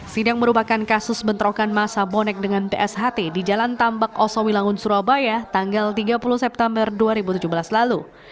sidang merupakan kasus bentrokan masa bonek dengan psht di jalan tambak osowi langun surabaya tanggal tiga puluh september dua ribu tujuh belas lalu